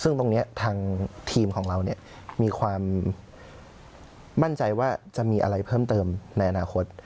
ซึ่งตรงนี้ทางทีมของเรามีความมั่นใจว่าจะมีอะไรเพิ่มเติมในอนาคต